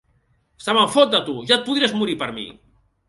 Se me'n fot, de tu: ja et podries morir, per mi!